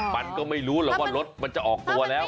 มันก็ไม่รู้หรอกว่ารถมันจะออกตัวแล้ว